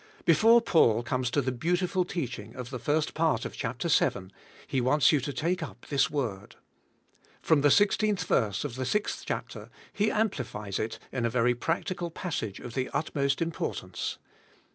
Before Paul comes to the beautiful teaching of the first part of chapter 7 he wants you to take up this word. From the 16th verse of the 6th chapter he amplifies it in a very practical pass age of the utmost importance.